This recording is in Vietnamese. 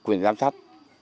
quyền giám sát